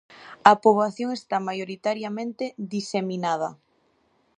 A poboación está maioritariamente diseminada.